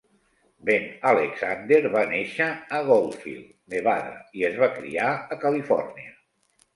Ben Alexander va néixer a Goldfield (Nevada) i es va criar a Califòrnia.